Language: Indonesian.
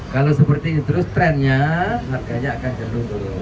kalau seperti itu terus trendnya harganya akan terlalu dulu